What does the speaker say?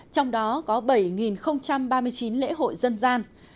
trong đó có bảy ba mươi chín lễ hội dân gian